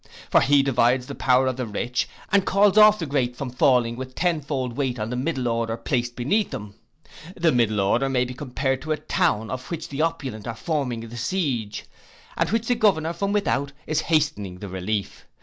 For he divides the power of the rich, and calls off the great from falling with tenfold weight on the middle order placed beneath them. The middle order may be compared to a town of which the opulent are forming the siege, and which the governor from without is hastening the relief.